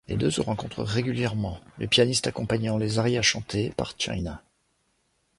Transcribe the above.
Les deux se rencontrent régulièrement, le pianiste accompagnant les arias chantés par China.